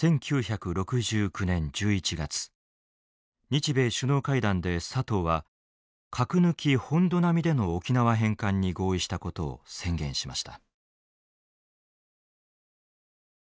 日米首脳会談で佐藤は「核抜き・本土並み」での沖縄返還に合意したことを宣言しました。